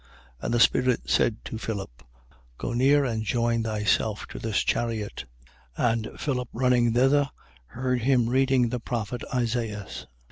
And the Spirit said to Philip: Go near and join thyself to this chariot. 8:30. And Philip running thither, heard him reading the prophet Isaias.